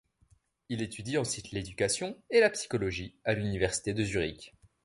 Il étudie ensuite l'éducation et la psychologie à l'université de Zurich.